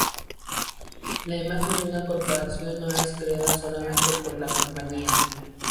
La imagen de una corporación no es creada solamente por la compañía.